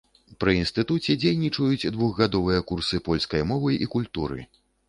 Пры інстытуце дзейнічаюць двухгадовыя курсы польскай мовы і культуры.